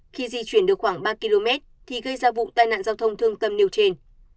khi di chuyển được khoảng ba km thì gây ra vụ tai nạn giao thông thương tâm nêu trên